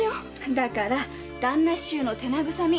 だから旦那衆の手慰み。